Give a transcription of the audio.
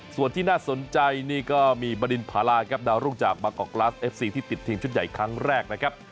ส่วนที่น่าสนใจนี่ก็มีบรินพาราครับดาวรุ่งจากบางกอกกลาสเอฟซีที่ติดทีมชุดใหญ่ครั้งแรกนะครับ